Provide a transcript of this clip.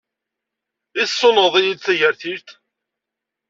I tessunɣeḍ-iyi-d tagertilt?